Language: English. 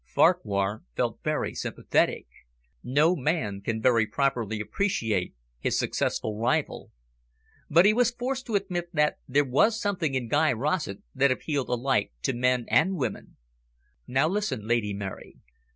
Farquhar felt very sympathetic. No man can very properly appreciate his successful rival. But he was forced to admit that there was something in Guy Rossett that appealed alike to men and women. "Now listen, Lady Mary!